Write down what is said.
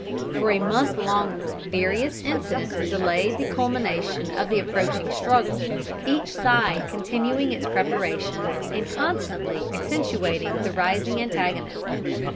For a month longer various incidents delayed the culmination of the approaching struggle, each side continuing its preparations, and constantly accentuating the rising antagonism.